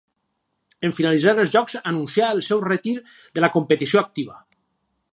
En finalitzar els Jocs anuncià el seu retir de la competició activa.